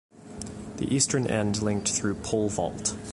The eastern end linked through Pole Vault.